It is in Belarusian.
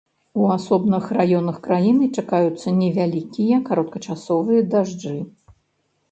У асобных раёнах краіны чакаюцца невялікія кароткачасовыя дажджы.